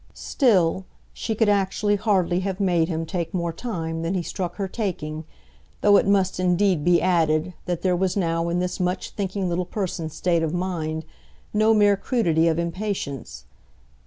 Still, she could actually hardly have made him take more time than he struck her taking, though it must indeed be added that there was now in this much thinking little person's state of mind no mere crudity of impatience.